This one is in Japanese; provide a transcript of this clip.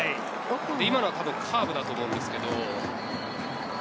今のはカーブだと思うんですけど。